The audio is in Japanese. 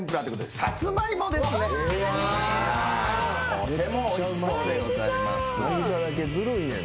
とてもおいしそうでございます。